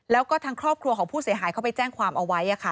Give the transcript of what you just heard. แล้วก็ทางครอบครัวของผู้เสียหายเขาไปแจ้งความเอาไว้ค่ะ